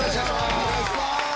お願いします。